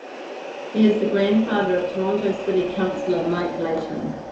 He is the grandfather of Toronto City Councillor Mike Layton.